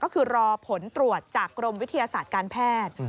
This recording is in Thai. ก็คือรอผลตรวจจากกรมวิทยาศาสตร์การแพทย์